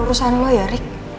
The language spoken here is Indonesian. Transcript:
lu urusan lu ya rik